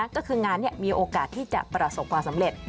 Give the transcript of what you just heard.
ก็คืองานมีโอกาสที่จะประสบความสำเร็จ